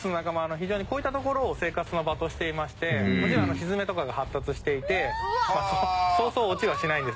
非常にこういった所を生活の場としていましてもちろんひづめとかが発達していてそうそう落ちはしないんです。